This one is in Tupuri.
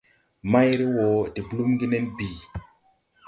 Mayre wɔ de blúmgì nen bìi.